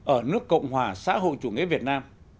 ở nước cộng hòa xã hội chủ nghĩa việt nam